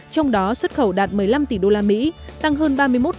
trong đó xuất khẩu đạt một mươi năm tỷ usd tăng hơn ba mươi một